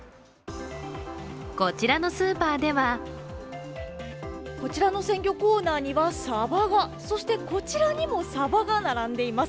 こちらのスーパーではこちらの鮮魚コーナーにはさばが、そしてこちらにも、さばが並んでいます。